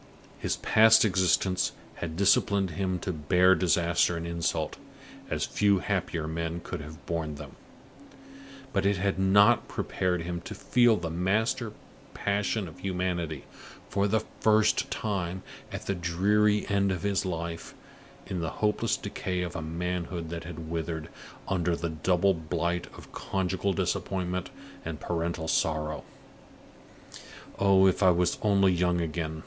His past existence had disciplined him to bear disaster and insult, as few happier men could have borne them; but it had not prepared him to feel the master passion of humanity, for the first time, at the dreary end of his life, in the hopeless decay of a manhood that had withered under the double blight of conjugal disappointment and parental sorrow. "Oh, if I was only young again!"